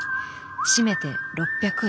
締めて６００円。